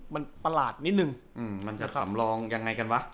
มันประหลาดนิดนึงมันจะสำรองยังไงกันวะ